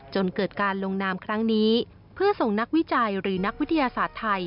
จนเกิดการลงนามครั้งนี้เพื่อส่งนักวิจัยหรือนักวิทยาศาสตร์ไทย